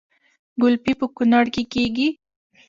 ګلپي په کونړ کې کیږي